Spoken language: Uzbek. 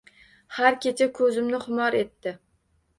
Har kecha ko’zimni xumor etdi